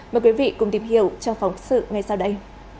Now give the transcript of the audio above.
mời quý vị cùng tìm hiểu trong phóng sự ngay sau đây